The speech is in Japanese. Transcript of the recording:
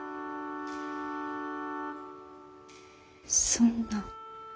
そんな。